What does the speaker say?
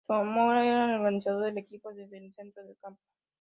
Zamora era el organizador del equipo desde el centro del campo.